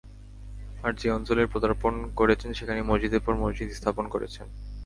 আর যে অঞ্চলেই পদার্পণ করেছেন সেখানেই মসজিদের পর মসজিদ স্থাপন করছেন।